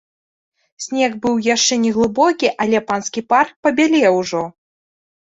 Снег быў яшчэ не глыбокі, але панскі парк пабялеў ужо.